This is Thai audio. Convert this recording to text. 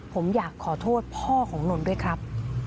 ผมอยากขอโทษพ่อของนนท์ด้วยครับ